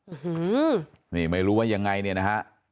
นี่ไม่รู้ว่ายังไงเนี่ยนะฮะ